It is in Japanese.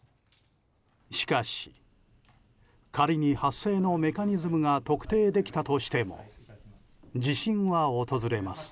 しかし、仮に発生のメカニズムが特定できたとしても地震は訪れます。